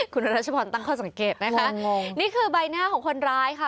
คุณรัชพรตั้งข้อสังเกตนะคะนี่คือใบหน้าของคนร้ายค่ะ